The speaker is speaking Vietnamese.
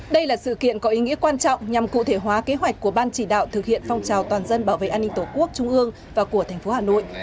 đây là sự kiện có ý nghĩa quan trọng nhằm cụ thể hóa kế hoạch của ban chỉ đạo thực hiện phong trào toàn dân bảo vệ an ninh tổ quốc trung ương và của tp hà nội